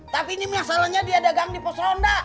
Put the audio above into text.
tapi ini masalahnya dia dagang di pos ronda